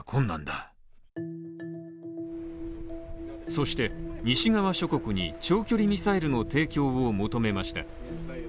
そして西側諸国に長距離ミサイルの提供を求めました。